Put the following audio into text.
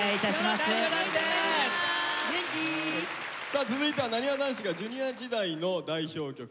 さあ続いてはなにわ男子がＪｒ．時代の代表曲